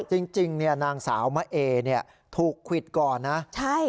จริงเนี่ยนางสาวมะเอเนี่ยถูกควิดก่อนนะใช่